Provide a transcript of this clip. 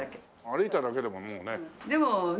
歩いただけでももうね。